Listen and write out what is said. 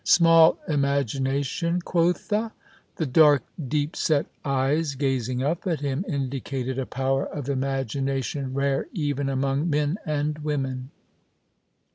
Small imagiuatiuu, quotha ! The dark, deep set eyes gazing up at him indicated a power of imagination rare even amono men and women.